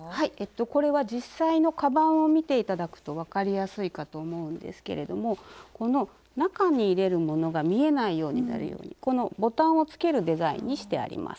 これは実際のかばんを見て頂くと分かりやすいかと思うんですけれどもこの中に入れるものが見えないようになるようにボタンをつけるデザインにしてあります。